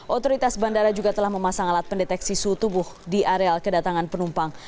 otoritas bandara juga telah memasang alat pendeteksi suhu tubuh di areal kedatangan penumpang